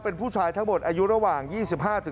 เป็นผู้ชายทั้งหมดอายุระหว่าง๒๕